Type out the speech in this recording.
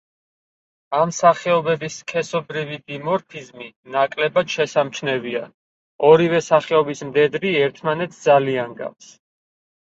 ამ სახეობებში სქესობრივი დიმორფიზმი ნაკლებად შესამჩნევია, ორივე სახეობის მდედრი ერთმანეთს ძალიან გავს.